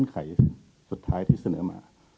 ไขสุดท้ายที่เสนอมา